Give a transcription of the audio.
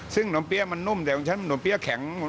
ซึ่งหนุ่มเปี๊ยวมันนุ่มแต่ของฉันหนุ่มเปี๊ยวแข็ง